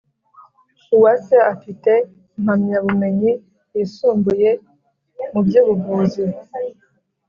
Uwase afite impamya bumenyi yisumbuye mu by’ubuvuzi